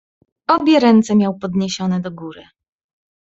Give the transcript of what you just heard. "Obie ręce miał podniesione do góry."